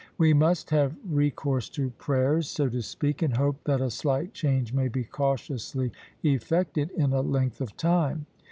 We must have recourse to prayers, so to speak, and hope that a slight change may be cautiously effected in a length of time.